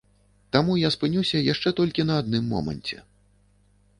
Таму я спынюся яшчэ толькі на адным моманце.